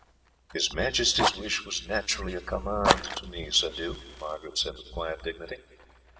"His Majesty's wish was naturally a command to me, Sir Duke," Margaret said with quiet dignity.